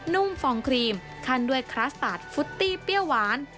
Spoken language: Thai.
นุ่มฟองครีมขั้นด้วยคลาสตาร์ทฟุตตี้เปรี้ยวหวาน